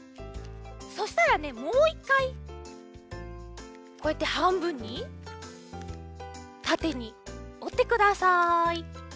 そしたらねもう１かいこうやってはんぶんにたてにおってください。